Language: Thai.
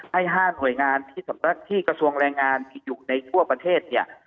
ให้๕หน่วยงานที่กระทรวงแรงงานอยู่ในทั่วประเทศ